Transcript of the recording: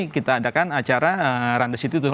kita adakan acara run the city tuh